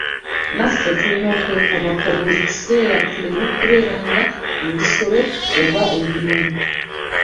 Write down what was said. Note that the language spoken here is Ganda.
Naffe tulina okwekomako buli kiseera tuleme kubeera nga ebisolo oba ebinyonyi.